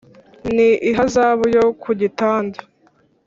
Ni ihazabu yo ku gitanda.